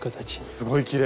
すごいきれい。